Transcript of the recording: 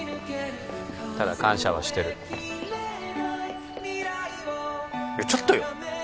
ただ感謝はしてるいやちょっとよ